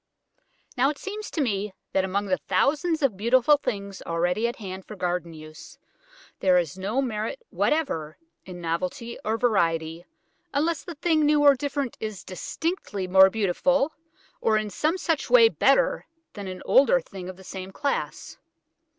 Now it seems to me, that among the thousands of beautiful things already at hand for garden use, there is no merit whatever in novelty or variety unless the thing new or different is distinctly more beautiful, or in some such way better than an older thing of the same class.